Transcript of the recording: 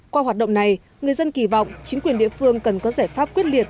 qua hoạt động này người dân kỳ vọng chính quyền địa phương cần có giải pháp quyết liệt